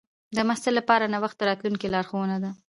د محصل لپاره نوښت د راتلونکي لارښوونه ده.